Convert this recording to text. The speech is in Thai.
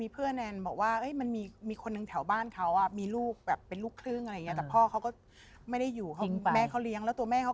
คือมันเรียกบางทีมือเขาดำ